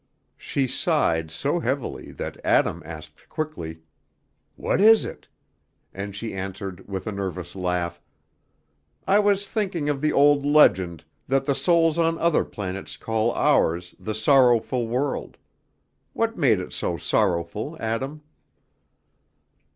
She sighed so heavily, that Adam asked quickly, "What is it?" and she answered, with a nervous laugh, "I was thinking of the old legend, that the souls on other planets call ours 'the sorrowful world.' What made it so sorrowful, Adam?"